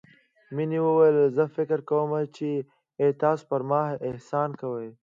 مينې وويل زه فکر کوم چې تاسو پر ما احسان کوئ.